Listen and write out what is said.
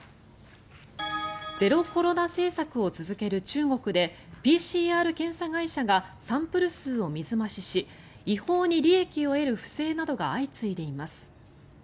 ゼロコロナ政策を続ける中国でＰＣＲ検査会社がサンプル数を水増しし違法に利益を得る不正などが相次いでいます。